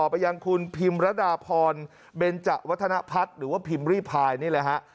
ไปยังคุณพิมรดาพรเบนจะวัฒนพัฒน์หรือว่าพิมพ์รีพายนี่แหละฮะ